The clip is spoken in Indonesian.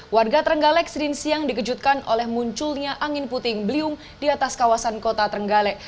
warga trenggalek senin siang dikejutkan oleh munculnya angin puting beliung di atas kawasan kota trenggalek